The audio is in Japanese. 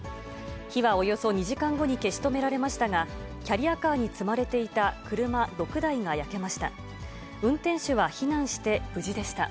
火はおよそ２時間後に消し止められましたが、キャリアカーに積まれていた車６台が焼けました。